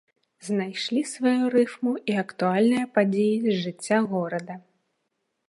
Знайшлі сваю рыфму і актуальныя падзеі з жыцця горада.